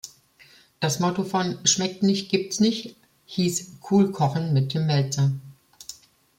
Das Motto von "Schmeckt nicht, gibt’s nicht" hieß "Cool kochen mit Tim Mälzer".